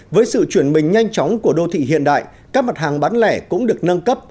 với sự chuyển mình nhanh chóng của đô thị hiện đại các mặt hàng bán lẻ cũng được nâng cấp